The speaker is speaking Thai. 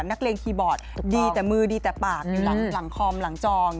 นักเรียนคีย์บอร์ดดีแต่มือดีแต่ปากอยู่หลังคอมหลังจอง